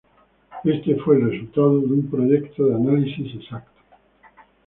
Este fue el resultado de un proyecto de análisis exacto.